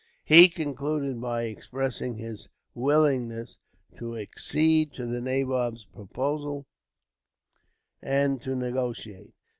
He concluded by expressing his willingness to accede to the nabob's proposal, and to negotiate.